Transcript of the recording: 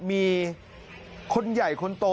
มีคนอยู่ไหมครับ